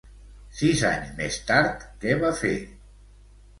Sis anys més tard, què va fer?